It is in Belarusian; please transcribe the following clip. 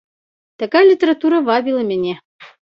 Такая літаратура вабіла мяне.